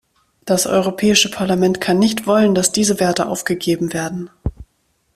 Das Europäische Parlament kann nicht wollen, dass diese Werte aufgegeben werden.